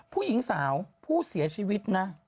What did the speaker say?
ผู้หญิงสาวผู้เสียชีวิตนะ